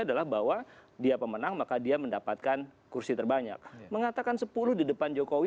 adalah bahwa dia pemenang maka dia mendapatkan kursi terbanyak mengatakan sepuluh di depan jokowi